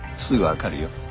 すぐわかるよ。